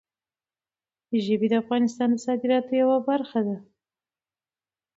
ژبې د افغانستان د صادراتو یوه برخه ده.